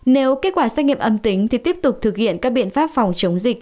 nếu kết quả xét nghiệm âm tính thì tiếp tục thực hiện các biện pháp phòng chống dịch